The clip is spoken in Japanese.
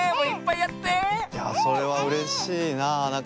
いやそれはうれしいな。